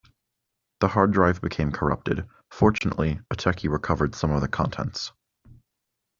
The hard drive became corrupted, fortunately, a techie recovered some of the contents.